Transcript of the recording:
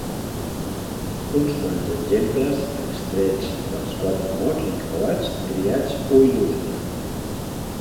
Uns quants exemples extrets dels quatre mots encreuats triats ho il·lustren.